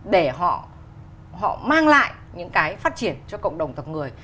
để họ mang lại những cái phát triển cho cộng đồng tộc người